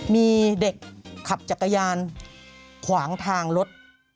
มีเด็กขับจักรยานขวางทางรถ